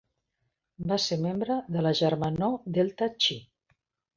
Va ser membre de la germanor Delta Chi.